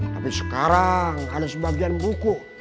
tapi sekarang ada sebagian buku